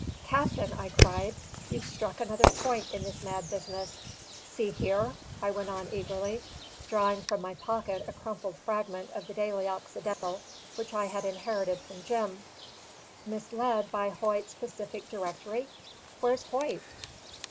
"Captain," I cried, "you've struck another point in this mad business. See here," I went on eagerly, drawing from my pocket a crumpled fragment of the Daily Occidental which I had inherited from Jim: "'misled by Hoyt's Pacific Directory'? Where's Hoyt?"